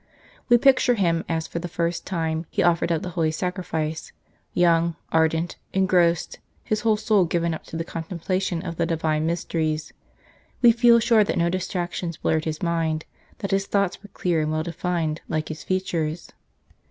We picture him as for the first time he offered up the Holy Sacrifice, young, ardent, engrossed, his whole soul given up to the contemplation of the Divine mysteries. We feel sure that no distractions blurred his mind, that his thoughts were clear and well defined like his features.